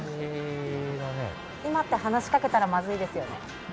今って話しかけたらまずいですよね？